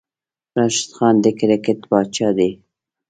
راشد خان د کرکیټ پاچاه دی